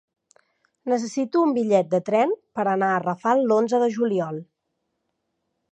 Necessito un bitllet de tren per anar a Rafal l'onze de juliol.